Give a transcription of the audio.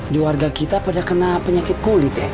di warga kita pada kena penyakit kulit ya